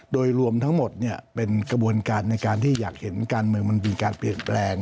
โดยรวมทั้งหมดเป็นกระบวนการในการที่อยากเห็นการเมืองมันมีการเปลี่ยนแปลง